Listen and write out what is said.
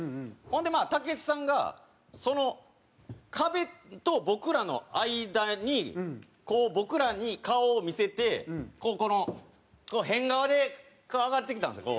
ほんでまあ武智さんが壁と僕らの間にこう僕らに顔を見せてこの変顔で上がってきたんですよ